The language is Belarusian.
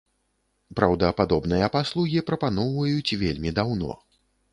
Праўда, падобныя паслугі прапаноўваюць вельмі даўно.